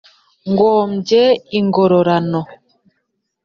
ngombye ingororano.